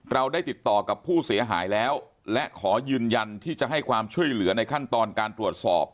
เราได้ติดต่อกับผู้เสียหายแล้วและขอยืนยันที่จะให้ความช่วยเหลือในขั้นตอนการตรวจสอบ